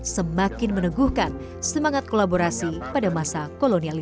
semakin meneguhkan semangat kolaborasi pada masa kolonial